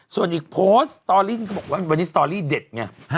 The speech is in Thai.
ส่วนอีกโพสต์สตอรี่เขาบอกว่าวันนี้สตอรี่เด็ดไง